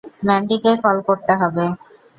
ম্যান্ডিকে call করতে হবে।